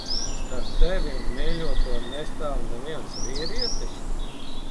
Starp tevi un mīļoto nestāv neviens vīrietis?